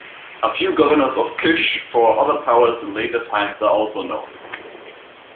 A few governors of Kish for other powers in later times are also known.